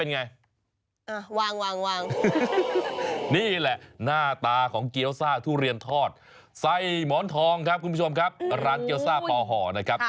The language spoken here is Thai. เนี่ยวละหน้าตาของเกียวซ่าทุเรียนทอดใส้หมอนทองครับ